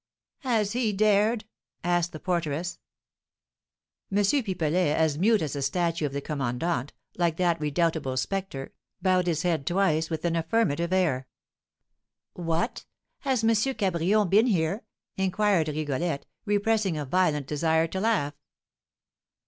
_" "Has he dared " asked the porteress. M. Pipelet, as mute as the statue of the commandant, like that redoubtable spectre, bowed his head twice with an affirmative air. "What! has M. Cabrion been here?" inquired Rigolette, repressing a violent desire to laugh.